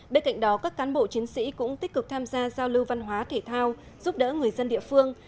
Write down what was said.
bên cạnh đó các cán bộ chiến sĩ cũng tích cực tham gia giao lưu văn hóa thể thao giúp đỡ người dân địa phương